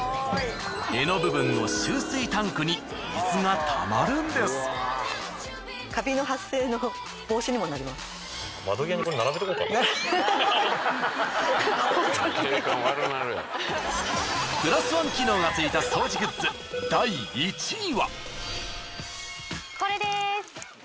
これです。